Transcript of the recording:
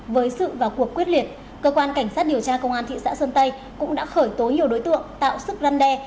với sự vào cuộc quyết liệt cơ quan cảnh sát điều tra công an thị xã sơn tây cũng đã khởi tố nhiều đối tượng tạo sức răn đe